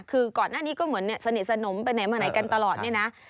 คือก่อนหน้านี้ก็เหมือนสนิทสนมไปไหนมาไหนกันตลอดเนี่ยนะ